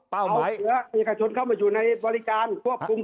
เป้าหมายเผื่อมีค่ะชนเข้ามาอยู่ในบริการพวกภูมิ